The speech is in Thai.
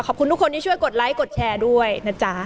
ขอบคุณทุกคนที่ช่วยกดไลค์กดแชร์ด้วยนะจ๊ะ